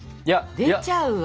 出ちゃうわけ。